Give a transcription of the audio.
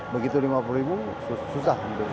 begitu rp lima puluh susah untuk